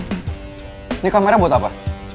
ini kamera buat apa